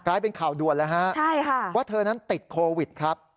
กลายเป็นข่าวด่วนแล้วฮะว่าเธอนั้นติดโควิดครับ